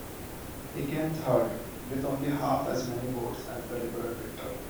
He came third with only half as many votes as the Liberal victor.